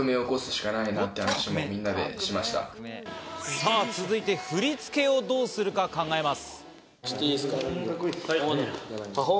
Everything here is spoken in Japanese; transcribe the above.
さぁ続いて、振り付けをどうするか考えます。